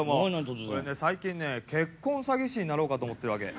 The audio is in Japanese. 最近ね結婚詐欺師になろうかと思ってるわけ。